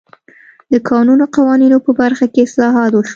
د کانونو قوانینو په برخه کې اصلاحات وشول.